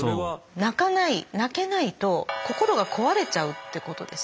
泣かない泣けないと心が壊れちゃうってことですか？